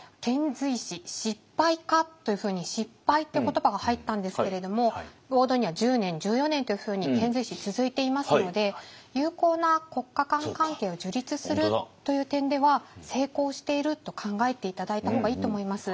遣隋使「しっぱいか？」というふうに失敗って言葉が入ったんですけれどもボードには１０年１４年というふうに遣隋使続いていますので友好な国家間関係を樹立するという点では成功していると考えて頂いた方がいいと思います。